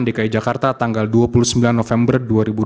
dki jakarta tanggal dua puluh sembilan november